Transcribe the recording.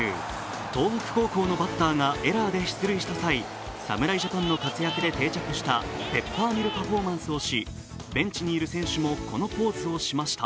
東北高校のバッターがエラーで出塁した際侍ジャパンの活躍で定着したペッパーミルパフォーマンスをしベンチにいる選手もこのポーズをしました。